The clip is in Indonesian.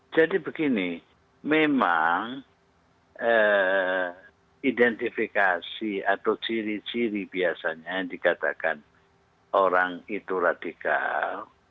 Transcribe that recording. jadi begini memang identifikasi atau ciri ciri biasanya yang dikatakan orang itu radikal